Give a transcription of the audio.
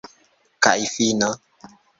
Kaj fino.